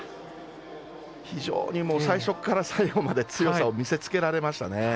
非常に最初から最後まで強さを見せつけられましたね。